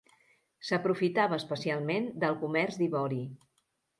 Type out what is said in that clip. S'aprofitava especialment del comerç d'ivori.